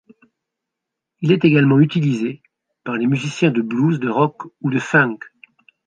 Il est également utilisé par les musiciens de blues, de rock ou de funk.